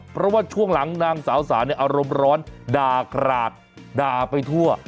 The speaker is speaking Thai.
เพราะว่าช่วงหลังนางสาวสาเนี่ยอารมณ์ร้อนด่ากราดด่าไปทั่ว